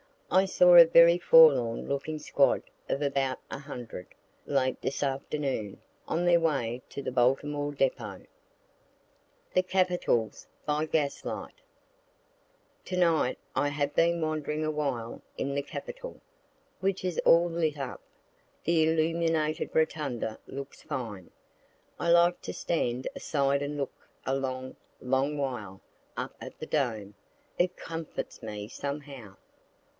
I saw a very forlorn looking squad of about a hundred, late this afternoon, on their way to the Baltimore depot. THE CAPITOL BY GAS LIGHT To night I have been wandering awhile in the capitol, which is all lit up. The illuminated rotunda looks fine. I like to stand aside and look a long, long while, up at the dome; it comforts me somehow.